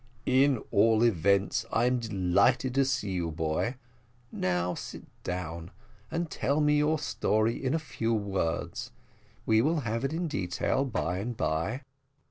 "At all events, I'm delighted to see you, boy: now sit down and tell me your story in a few words; we will have it in detail by and bye."